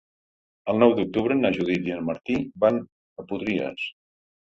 El nou d'octubre na Judit i en Martí van a Potries.